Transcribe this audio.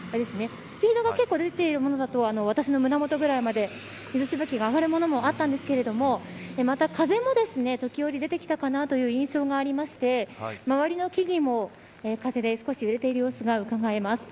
スピードが結構出ているものだと私の胸元くらいまで水しぶきが上がるものもあったんですがまた、風も時折出てきたかなという印象がありまして周りの木々も風で少し揺れている様子がうかがえます。